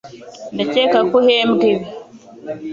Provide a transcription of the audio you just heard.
Ndakeka ko uhembwa ibi